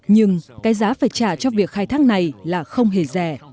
nhưng cái giá phải trả cho việc khai thác này là không hề rẻ